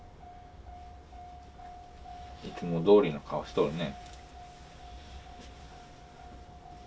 いつもどおりの顔しとるね。